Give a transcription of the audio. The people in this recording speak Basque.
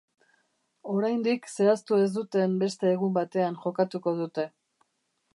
Oraindik zehaztu ez duten beste egun batean jokatuko dute.